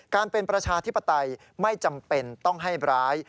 การเป็นประชาธิปไตยไม่จำเป็นต้องให้ร้าย